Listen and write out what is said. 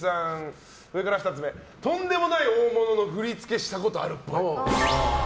とんでもない大物の振り付けしたことあるっぽい。